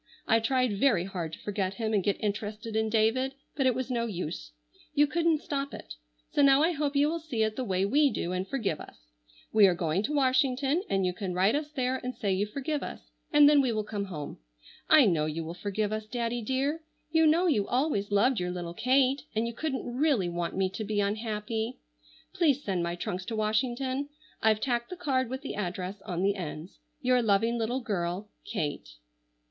I tried very hard to forget him and get interested in David, but it was no use. You couldn't stop it. So now I hope you will see it the way we do and forgive us. We are going to Washington and you can write us there and say you forgive us, and then we will come home. I know you will forgive us, Daddy dear. You know you always loved your little Kate and you couldn't really want me to be unhappy. Please send my trunks to Washington. I've tacked the card with the address on the ends. "Your loving little girl, "KATE."